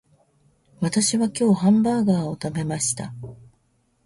私は今日ハンバーガーを食べました